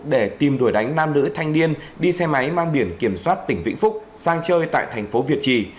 để tìm đuổi đánh nam nữ thanh niên đi xe máy mang biển kiểm soát tỉnh vĩnh phúc sang chơi tại thành phố việt trì